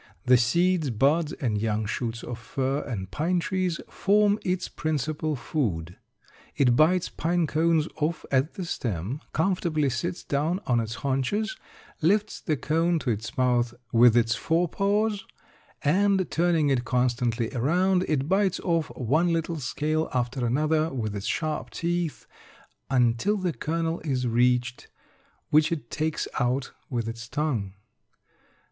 The seeds, buds, and young shoots of fir and pine trees form its principal food. It bites pine cones off at the stem, comfortably sits down on its haunches, lifts the cone to its mouth with its fore paws, and turning it constantly around, it bites off one little scale after another with its sharp teeth, until the kernel is reached, which it takes out with its tongue.